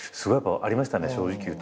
ありましたね正直いうと。